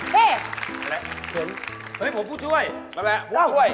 พี่มาเฮ่ย